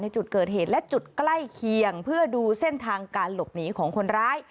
จุดเกิดเหตุและจุดใกล้เคียงเพื่อดูเส้นทางการหลบหนีของคนร้าย